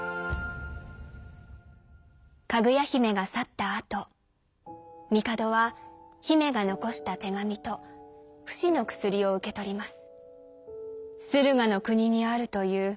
かぐや姫が去ったあと帝は姫が残した手紙と不死の薬を受け取ります。